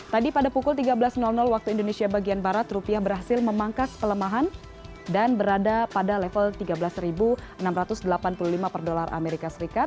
tadi pada pukul tiga belas waktu indonesia bagian barat rupiah berhasil memangkas pelemahan dan berada pada level tiga belas enam ratus delapan puluh lima per dolar as